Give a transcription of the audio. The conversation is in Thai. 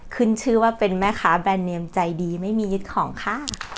ขึ้นชื่อว่าเป็นแม่ค้าแบรนดเนมใจดีไม่มียึดของค่ะ